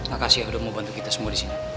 akasya udah mau bantu kita semua di sini